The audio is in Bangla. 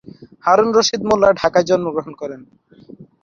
হারুন রশীদ মোল্লা ঢাকায় জন্মগ্রহণ করেন।